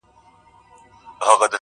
زه تر مور او پلار پر ټولو مهربان یم!.